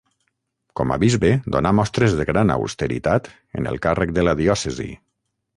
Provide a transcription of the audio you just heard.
Com a bisbe donà mostres de gran austeritat en el càrrec de la diòcesi.